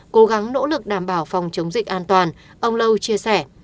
cố gắng nỗ lực đảm bảo phòng chống dịch an toàn ông lâu chia sẻ